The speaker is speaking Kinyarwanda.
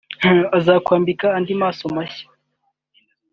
azakwambika andi maso mashya